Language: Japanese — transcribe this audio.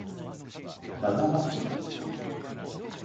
ラガマフィン